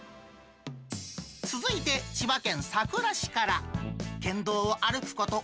続いて、千葉県佐倉市から。